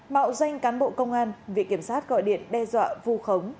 mạo danh cán bộ công an vị kiểm sát gọi điện đe dọa vu khống